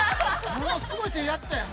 ◆物すごい手やったやん。